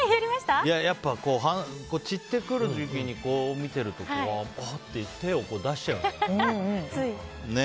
やっぱ、散ってくる時期に見てるとぱって手を出しちゃうんですよ。